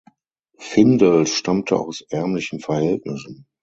Findel stammte aus ärmlichen Verhältnissen.